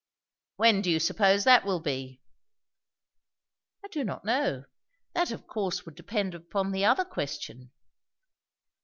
"When do you suppose that will be?" "I do not know. That of course would depend upon the other question."